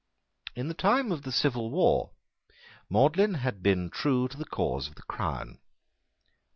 In the time of the civil war Magdalene had been true to the cause of the crown.